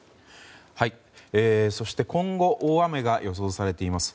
そして今後大雨が予想されています